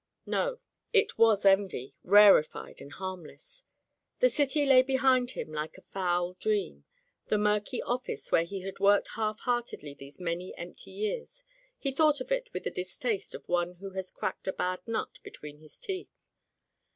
No, — it was envy, rarefied and harmless. The city lay behind him like a foul dream. The murky office where he had worked half heartedly these many empty years — he thought of it with the distaste of one who has cracked a bad nut between his teeth.